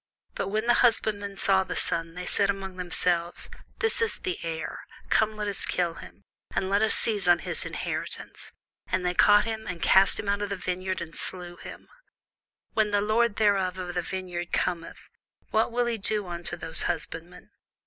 But when the husbandmen saw the son, they said among themselves, This is the heir; come, let us kill him, and let us seize on his inheritance. And they caught him, and cast him out of the vineyard, and slew him. When the lord therefore of the vineyard cometh, what will he do unto those husbandmen?